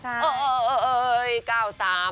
เอ่อเอ่อเก้าสาม